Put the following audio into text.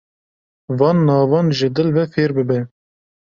Van navan ji dil ve fêr bibe.